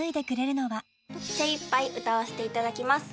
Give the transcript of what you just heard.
精いっぱい歌わせていただきます。